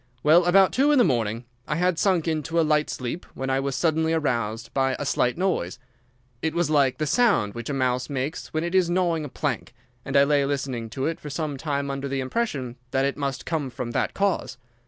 Well, about two in the morning I had sunk into a light sleep when I was suddenly aroused by a slight noise. It was like the sound which a mouse makes when it is gnawing a plank, and I lay listening to it for some time under the impression that it must come from that cause.